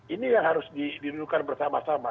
ini yang harus didudukan bersama sama